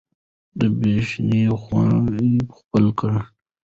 د بښنې خوی خپل کړئ.